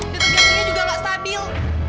detek gantungnya juga gak stabil